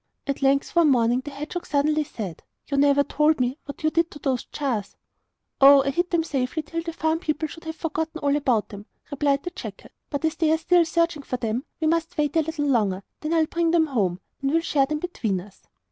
At length, one morning, the hedgehog suddenly said: 'You never told me what you did with those jars?' 'Oh, I hid them safely till the farm people should have forgotten all about them,' replied the jackal. 'But as they are still searching for them we must wait a little longer, and then I'll bring them home, and we will share them between us.